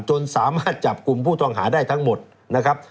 จนสามารถจับกลุ่มผู้ต้องหาได้ทั้งหมดนะครับ